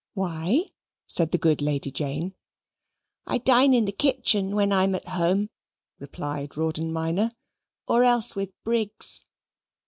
"Why?" said the good Lady Jane. "I dine in the kitchen when I am at home," replied Rawdon Minor, "or else with Briggs."